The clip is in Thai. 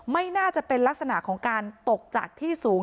ไม่น่าจะเป็นลักษณะของการตกจากที่สูง